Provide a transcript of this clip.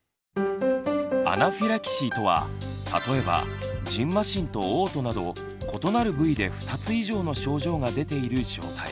アナフィラキシーとは例えばじんましんとおう吐など異なる部位で２つ以上の症状が出ている状態。